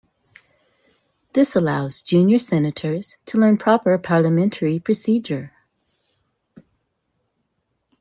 This allows junior senators to learn proper parliamentary procedure.